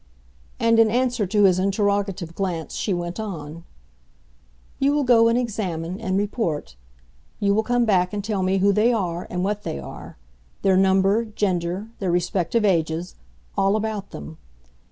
And in answer to his interrogative glance she went on. "You will go and examine, and report. You will come back and tell me who they are and what they are; their number, gender, their respective ages—all about them.